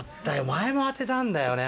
前も当てたんだよね